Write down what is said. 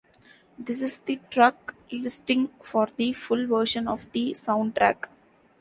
This is the track listing for the full version of the soundtrack.